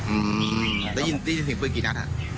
อืมยินสิ่งเป็นกี่นัดครับ